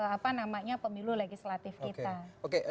apa namanya pemilu legislatif kita oke